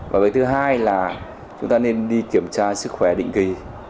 và với thứ hai là chúng ta nên đi kiểm tra sức khỏe định kỳ